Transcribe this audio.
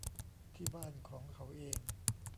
ที่บ้านของเขาเอง